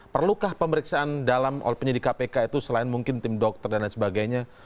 perlukah pemeriksaan dalam penyidik kpk itu selain mungkin tim dokter dan lain sebagainya